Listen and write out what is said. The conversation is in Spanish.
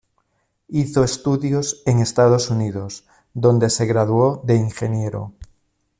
Hizo estudios en Estados Unidos, donde se graduó de ingeniero.